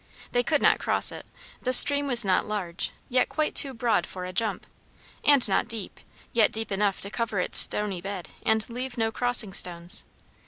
They could not cross it. The stream was not large, yet quite too broad for a jump; and not deep, yet deep enough to cover its stony bed and leave no crossing stones.